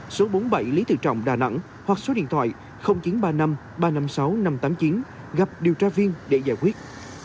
số bốn mươi bảy lý tự trọng đà nẵng hoặc số điện thoại chín trăm ba mươi năm ba trăm năm mươi sáu năm trăm tám mươi chín gặp điều tra viên để giải quyết